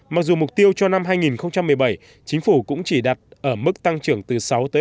mặc dù mục tiêu cho năm hai nghìn một mươi bảy chính phủ cũng chỉ đặt ở mức tăng trưởng từ sáu bảy